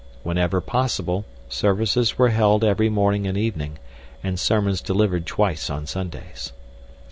Whenever possible, services were held every morning and evening, and sermons delivered twice on Sundays.